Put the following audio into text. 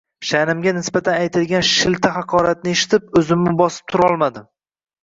Sha’nimga nisbatan aytilgan shilta haqoratni eshitib, o‘zimni bosib turolmadim